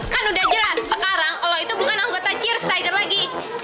kan udah jelas sekarang lo itu bukan anggota cheers tiger lagi